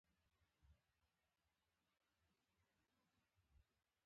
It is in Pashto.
برېښنا په ملیونونو ولټه او په ملیونونو امپیره کرنټ لېږدوي